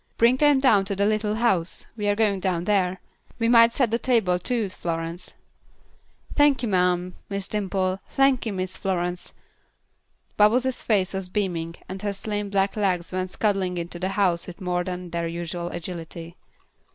Bring them down to the little house; we're going down there. We might set the table, too, Florence." "Thanky, ma'am, Miss Dimple. Thanky, Miss Flo'ence." Bubbles' face was beaming, and her slim, black legs went scudding into the house with more than their usual agility.